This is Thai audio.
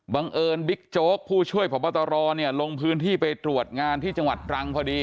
บังเอิญบิ๊กโจ๊กผู้ช่วยพบตรลงพื้นที่ไปตรวจงานที่จังหวัดตรังพอดี